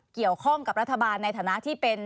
เกี่ยวข้องกับรัฐบาลในฐานะที่เป็น